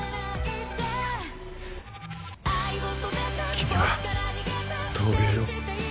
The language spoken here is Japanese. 君は陶芸を。